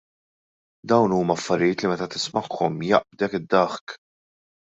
Dawn huma affarijiet li meta tismagħhom jaqbdek id-daħk.